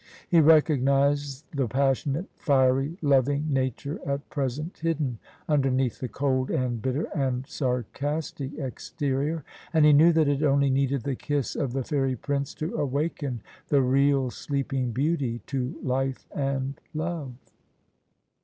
He recognised the passionate, fiery, loving nature at present hidden underneath the cold and bitter and sarcastic exterior ; and he knew that it only needed the kiss of the fairy prince to awaken the real sleeping beauty to life and love.